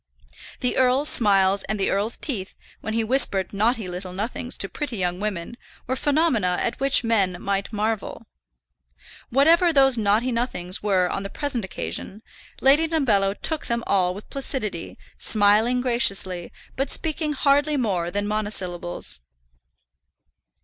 The earl's smiles and the earl's teeth, when he whispered naughty little nothings to pretty young women, were phenomena at which men might marvel. Whatever those naughty nothings were on the present occasion, Lady Dumbello took them all with placidity, smiling graciously, but speaking hardly more than monosyllables.